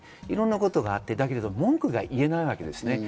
いろんなことがあって、文句が言えないわけです。